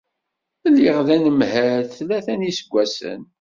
Lliɣ d anemhal tlata n yiseggasen.